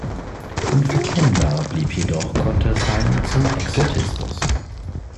Unverkennbar blieb jedoch Contes Hang zum Exotismus.